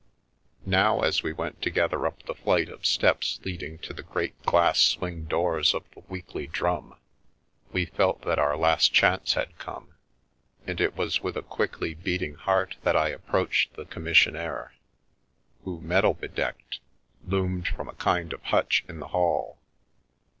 Now, as we went together up the flight of steps leading to the great glass swing doors of the Weekly Drum, we felt that our last chance had come, and it was with a quickly beating heart that I approached the commis sionaire, who, medal bedecked, loomed from a kind of hutch in the hall.